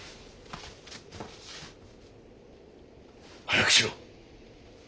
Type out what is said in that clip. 早くしろ！